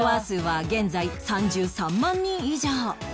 数は現在３３万人以上！